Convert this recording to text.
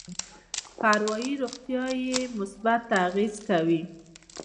په اروایي روغتيا يې مثبت اغېز کوي.